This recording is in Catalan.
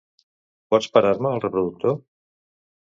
Pots parar-me el reproductor?